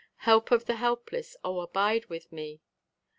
... Help of the helpless, O abide with me!"